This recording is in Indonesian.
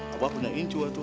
abah benerin juga tuh